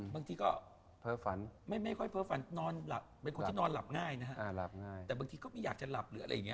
บางทีก็ไม่ค่อยเพ้อฝันเป็นคนที่นอนหลับง่ายนะครับแต่บางทีก็ไม่อยากจะหลับหรืออะไรอย่างนี้